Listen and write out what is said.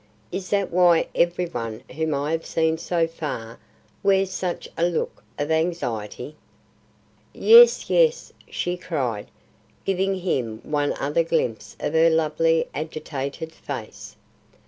Is that why every one whom I have seen so far wears such a look of anxiety?" "Yes, yes," she cried, giving him one other glimpse of her lovely, agitated face.